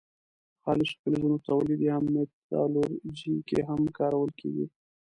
د خالصو فلزونو په تولید یا متالورجي کې هم کارول کیږي.